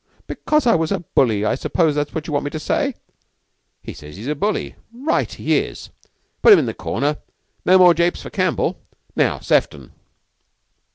"Because I was a bully. I suppose that's what you want me to say?" "He says he is a bully. Right he is. Put him in the corner. No more japes for Campbell. Now, Sefton!"